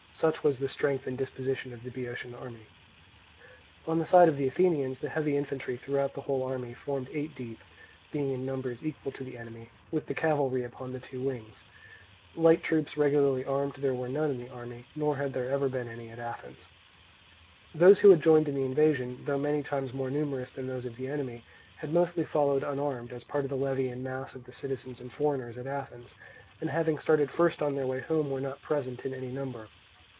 Such was the strength and disposition of the Boeotian army. On the side of the Athenians, the heavy infantry throughout the whole army formed eight deep, being in numbers equal to the enemy, with the cavalry upon the two wings. Light troops regularly armed there were none in the army, nor had there ever been any at Athens. Those who had joined in the invasion, though many times more numerous than those of the enemy, had mostly followed unarmed, as part of the levy in mass of the citizens and foreigners at Athens, and having started first on their way home were not present in any number.